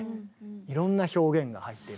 いろんな表現が入ってる。